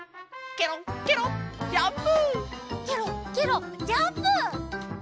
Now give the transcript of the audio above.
ケロッケロッジャンプ！